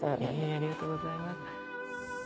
ありがとうございます。